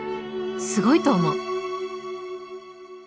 「すごいと思う」